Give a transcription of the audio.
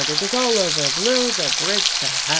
It is all over; blow the bridge to h l!'